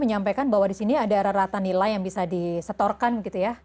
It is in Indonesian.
menyampaikan bahwa di sini ada rata nilai yang bisa disetorkan gitu ya